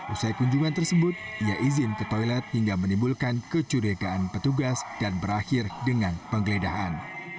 usai kunjungan tersebut ia izin ke toilet hingga menimbulkan kecurigaan petugas dan berakhir dengan penggeledahan